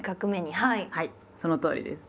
はいそのとおりです。